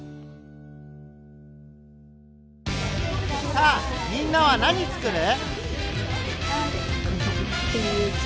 さあみんなは何つくる？